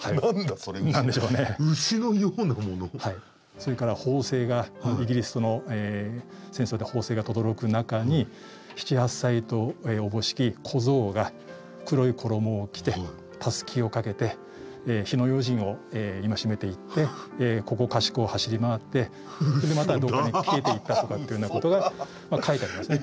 それから砲声がイギリスとの戦争で砲声がとどろく中に７８歳とおぼしき小僧が黒い衣を着てたすきをかけて火の用心を戒めていってここかしこを走り回ってでまたどこかに消えていったとかっていうようなことが書いてありますね。